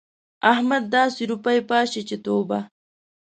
احمد داسې روپۍ پاشي چې توبه!